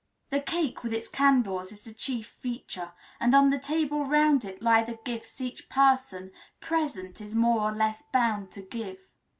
The cake with its candles is the chief feature, and on the table round it lie the gifts each person present is more or less bound to give.